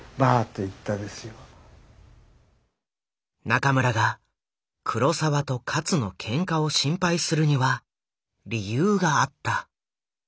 中村が黒澤と勝のけんかを心配するには理由があった。